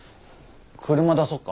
車出そうか？